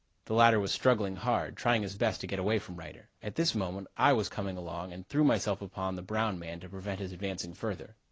The latter was struggling hard, trying his best to get away from Reiter. At this moment I was coming along and threw myself upon the Brown man to prevent his advancing further.